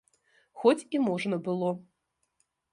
Хоць і можна было.